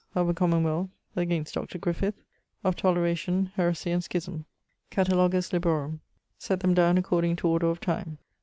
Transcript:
Of a Commonwealth. Against Dr. Griffith. Of Toleration, Heresie, and Schisme. Catalogus Librorum[XXV.]. [XXV.] Set them downe according to order of time.